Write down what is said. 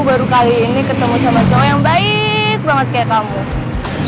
baru kali ini ketemu sama cowok yang baik banget kayak kamu